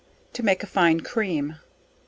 To make a fine Cream.